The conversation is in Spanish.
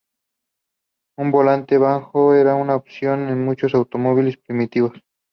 Un volante Banjo era una opción en muchos automóviles primitivos.